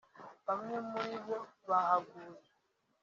bamwe muri bo bahaguye